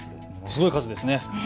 すごい数ですね。